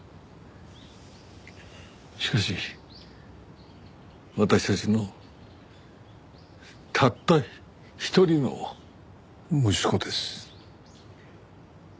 しかし私たちのたった一人の息子です。